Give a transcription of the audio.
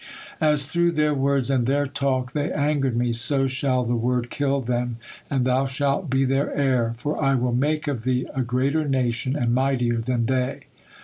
As through their words and their talk they angered Me, so shall the word kill them, and thou shalt be their heir, for 'I will make of thee a greater nation and mightier than they.'"